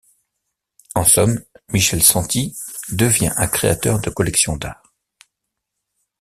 En somme, Michel Santi devient un créateur de collections d'art.